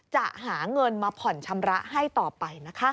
จะหาเงินมาผ่อนชำระให้ต่อไปนะคะ